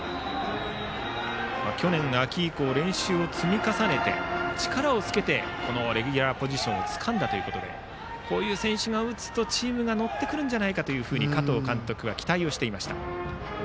去年秋以降練習を積み重ねて力をつけてレギュラーポジションをつかんだということでこういう選手が打つと、チームが乗ってくるんじゃないかと加藤監督は期待をしていました。